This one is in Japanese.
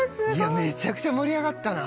めちゃくちゃ盛り上がったな。